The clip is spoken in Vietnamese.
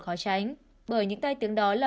khó tránh bởi những tay tiếng đó là